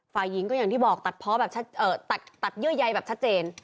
ฟายิ้งก็อย่างที่บอกตัดเพาะแบบชัดเอ่อตัดเยื่อยใยแบบชัดเจน